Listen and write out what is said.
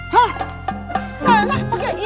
hah salah pakai ini